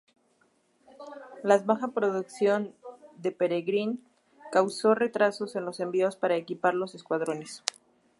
Las baja producción del Peregrine causó retrasos en los envíos para equipar los escuadrones.